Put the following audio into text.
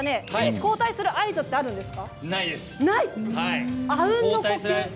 交代する合図はあるんですか。